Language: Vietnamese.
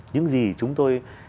những gì chúng tôi